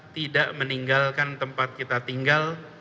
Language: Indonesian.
tidak meninggalkan tempat kita tinggal